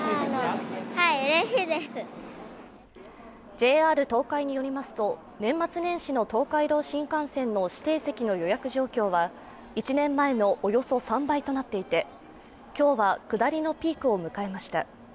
ＪＲ東海によりますと、年末年始の東海道新幹線の指定席の予約状況は１年前のおよそ３倍となっていて今日は下りのピークを迎えました。